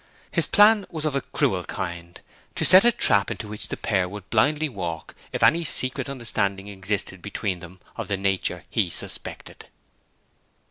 His plan was of a cruel kind: to set a trap into which the pair would blindly walk if any secret understanding existed between them of the nature he suspected.